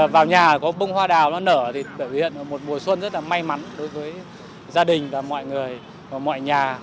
vào nhà có bông hoa đào nó nở thì biểu hiện một mùa xuân rất là may mắn đối với gia đình và mọi người và mọi nhà